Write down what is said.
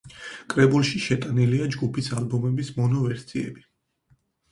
კრებულში შეტანილია ჯგუფის ალბომების მონო ვერსიები.